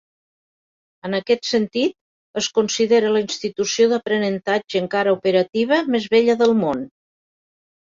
En aquest sentit, es considera la institució d'aprenentatge encara operativa més vella del món.